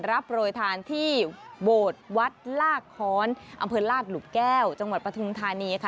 รับปรวยทานที่โบสถ์วัดลากฮร์นอำเภิลลากหลุบแก้วจังหวัดประธุมธานีค่ะ